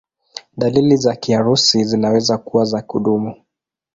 Dalili za kiharusi zinaweza kuwa za kudumu.